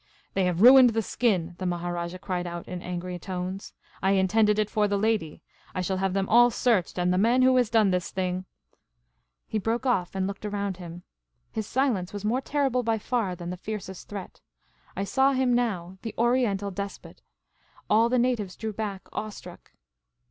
" They have ruined the skin !" the Maharajah cried out in angry tones. " I intended it for the lady. I shall have them all searched, and the man who has done this thing " He broke off, and looked around him. His silence was more terrible by far than the fiercest threat. I saw him now the Oriental despot. All the natives drew back, awe struck.